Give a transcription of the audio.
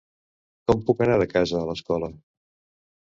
Com puc anar de casa a l'escola?